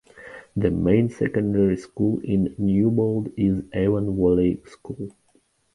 The main secondary school in Newbold is Avon Valley School.